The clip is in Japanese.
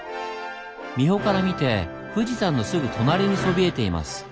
三保から見て富士山のすぐ隣にそびえています。